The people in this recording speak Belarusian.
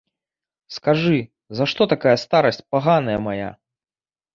Скажы, за што такая старасць паганая мая?